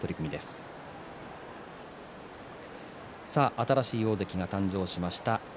新しい大関が誕生しました。